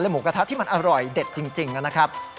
หมูกระทะที่มันอร่อยเด็ดจริงนะครับ